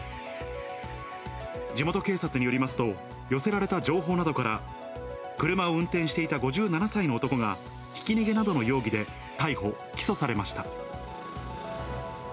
地元警察によりますと、寄せられた情報などから、車を運転していた５７歳の男がひき逃げなどの容疑で逮捕・起訴されました。